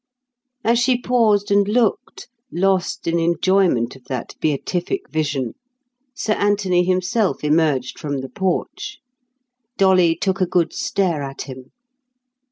As she paused and looked, lost in enjoyment of that beatific vision, Sir Anthony himself emerged from the porch. Dolly took a good stare at him.